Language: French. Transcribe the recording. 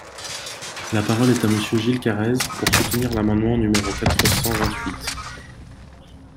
La parole est à Monsieur Gilles Carrez, pour soutenir l’amendement numéro quatre cent vingt-huit.